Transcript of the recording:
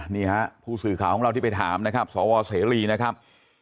นี่ฮะผู้สื่อข่าวของเราที่ไปถามนะครับสวเสรีนะครับ